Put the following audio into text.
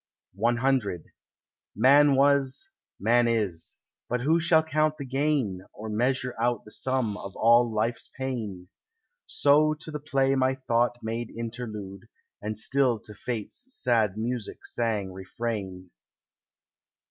C Man was; man is; but who shall count the gain, Or measure out the sum of all life's pain? So to the play my thought made interlude, And still to fate's sad music sang refrain.